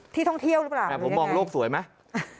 ท่องเที่ยวหรือเปล่าแต่ผมมองโลกสวยไหม